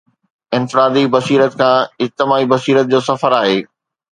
انفرادي بصيرت کان اجتماعي بصيرت جو سفر آهي.